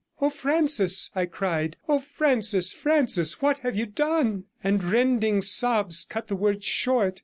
'Oh, Francis!' I cried. 'Oh, Francis, Francis, what have you done?' and rending sobs cut the words short.